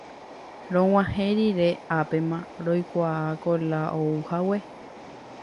Rog̃uahẽ rire ápema roikuaa Kola ouhague.